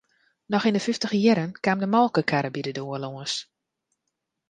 Noch yn 'e fyftiger jierren kaam de molkekarre by de doar lâns.